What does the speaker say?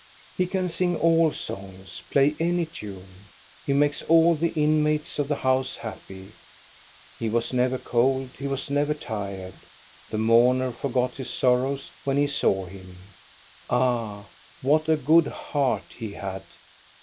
He can sing all songs, play any tune. He makes all the inmates of the house happy. He was never cold, he was never tired. The mourner forgot his sorrows when he saw him. Ah, what a good heart he had!